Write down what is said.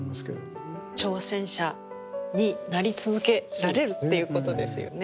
挑戦者になり続けられるっていうことですよね。